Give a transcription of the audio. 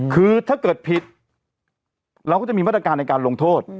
คือถ้าเกิดผิดเราก็จะมีมาตรการในการลงโทษ